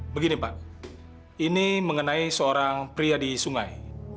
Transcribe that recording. begini pak ini mengenai seorang pria di sungai